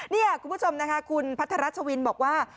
นี่คุณผู้ชมนะคะคุณพัทรวินบอกว่า